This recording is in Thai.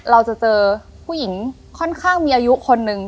เราจะเจอผู้หญิงค่อนข้างมีอายุคนนึง